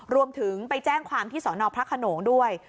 รวมถึงไปแจ้งความที่สอนอพระขนงด้วย